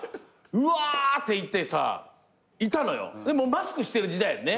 マスクしてる時代やんね。